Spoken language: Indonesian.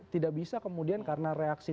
tidak bisa kemudian karena reaksi